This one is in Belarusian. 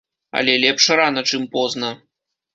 Але лепш рана, чым позна.